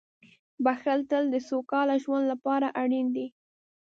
• بښل تل د سوکاله ژوند لپاره اړین دي.